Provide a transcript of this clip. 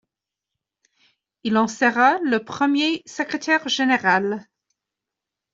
Il en sera le premier Secrétaire Général.